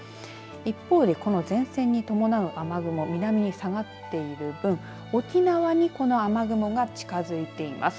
一方で、この前線に伴う雨雲南に下がっている分沖縄にこの雨雲が近づいています。